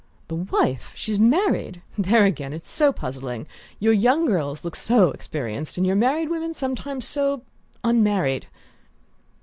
"The wife? She's married? There, again, it's so puzzling! Your young girls look so experienced, and your married women sometimes so unmarried."